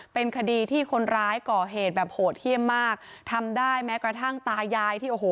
เป็นคดีที่คนร้ายก่อเหตุแบบโหดเยี่ยมมากทำได้แม้กระทั่งตายายที่โอ้โห